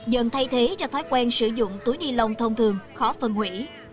dần thay thế cho thói quen sử dụng túi ni lông thông thường khó phân hủy